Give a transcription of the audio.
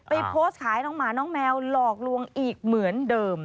โพสต์ขายน้องหมาน้องแมวหลอกลวงอีกเหมือนเดิม